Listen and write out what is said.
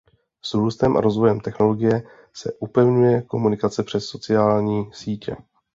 S růstem a rozvojem technologie se upevňuje komunikace přes sociální sítě.